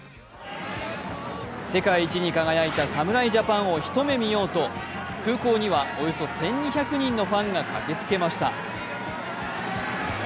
世界一に輝いた侍ジャパンを一目見ようと空港にはおよそ１２００人のファンが駆けつけました。